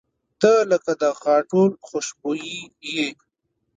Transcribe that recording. • ته لکه د غاټول خوشبويي یې.